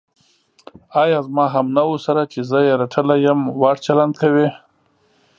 ایا زما همنوعو سره چې زه یې رټلی یم، وړ چلند کوې.